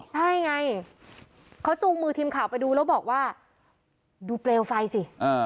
ใช่ไงเขาจูงมือทีมข่าวไปดูแล้วบอกว่าดูเปลวไฟสิ